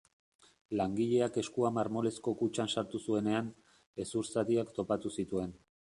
Langileak eskua marmolezko kutxan sartu zuenean, hezur zatiak topatu zituen.